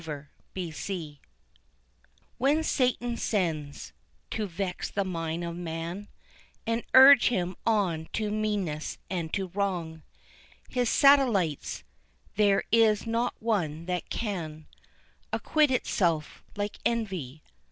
] Envy When Satan sends to vex the mind of man And urge him on to meanness and to wrong His satellites, there is not one that can Acquit itself like Envy.